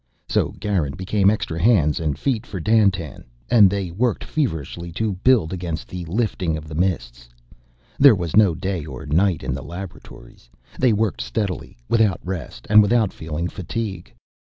So Garin became extra hands and feet for Dandtan, and they worked feverishly to build against the lifting of the Mists. There was no day or night in the laboratories. They worked steadily without rest, and without feeling fatigue.